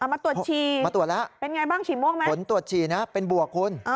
เอามาตรวจฉี่เป็นอย่างไรบ้างฉี่ม่วงไหมคุณตรวจฉี่นะเป็นบวกคุณ